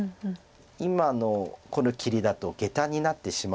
今のこの切りだとゲタになってしまう。